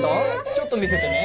ちょっと見せてね。